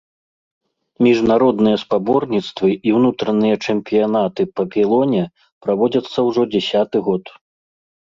Міжнародныя спаборніцтвы і ўнутраныя чэмпіянаты па пілоне праводзяцца ўжо дзясяты год.